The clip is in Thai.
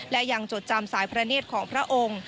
และยังจดจำสายพระเนธของพระองค์